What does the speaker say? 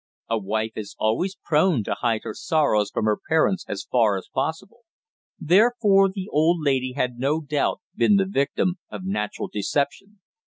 A wife is always prone to hide her sorrows from her parents as far as possible. Therefore the old lady had no doubt been the victim of natural deception.